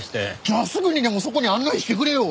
じゃあすぐにでもそこに案内してくれよ！